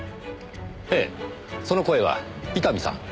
ええその声は伊丹さん。